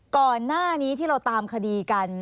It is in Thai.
ก่อนหน้านี้ที่เราตามคดีกัน